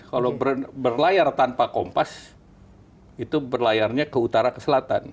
kalau berlayar tanpa kompas itu berlayarnya ke utara ke selatan